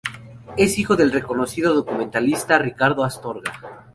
Es hijo del reconocido documentalista Ricardo Astorga.